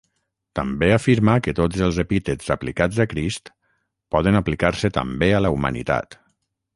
També afirmà que tots els epítets aplicats a Crist poden aplicar-se també a la humanitat.